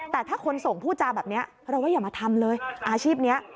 แต่ถ้าคนส่งพูดจาแบบนี้เราว่าอย่ามาทำเลยอาชีพนี้